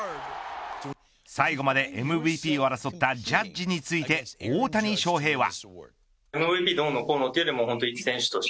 最後までＭＶＰを争ったジャッジについて大谷翔平は。